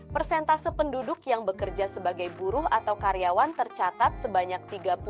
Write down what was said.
persentase penduduk yang bekerja sebagai buruh atau karyawan tercatat sebanyak tiga puluh